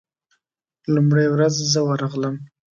لومړۍ ورځ زه ورغلم.